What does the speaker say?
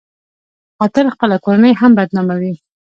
قاتل خپله کورنۍ هم بدناموي